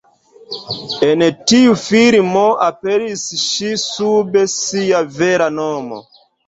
En tiu filmo aperis ŝi sub sia vera nomo.